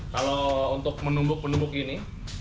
kalau untuk menumbuk penumbuk ini